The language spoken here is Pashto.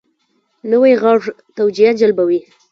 نوی غږ توجه جلبوي